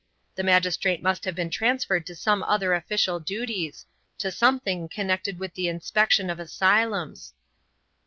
The magistrate must have been transferred to some other official duties to something connected with the inspection of asylums.